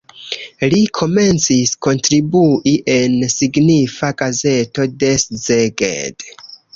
Li komencis kontribui en signifa gazeto de Szeged.